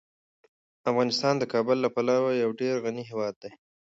افغانستان د کابل له پلوه یو ډیر غني هیواد دی.